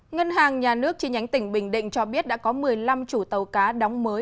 ngân hàng nhà nước chi nhánh tỉnh bình định cho biết đã có một mươi năm chủ tàu cá đóng mới